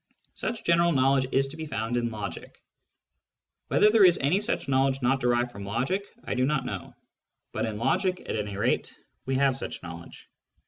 ♦ Such general knowledge is to be found in logic. Whether there is any such knowledge not derived from logic, I do not know ; but in logic, at any rate, we have such knowledge.